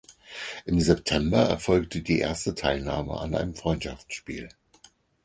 Im September erfolgt die erste Teilnahme an einem Freundschaftsspiel.